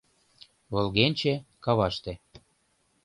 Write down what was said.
— Волгенче — каваште.